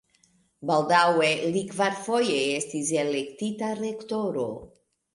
Baldaŭe li kvarfoje estis elektita rektoro.